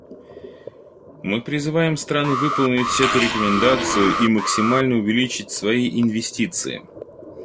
Мы призываем страны выполнить эту рекомендацию и максимально увеличить свои инвестиции.